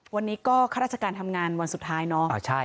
วันนี้ก็ข้าราชการทำงานวันสุดท้ายเนาะ